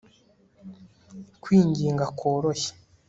Kwinginga kworoshye